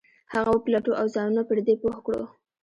هغه وپلټو او ځانونه پر دې پوه کړو.